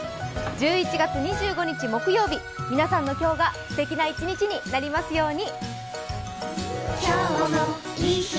１１月２５日木曜日、皆さんの今日がすてきな一日になりますように。